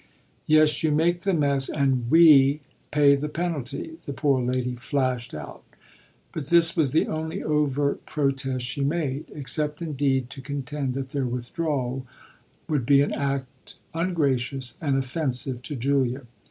"Yes, you make the mess and we pay the penalty!" the poor lady flashed out; but this was the only overt protest she made except indeed to contend that their withdrawal would be an act ungracious and offensive to Julia.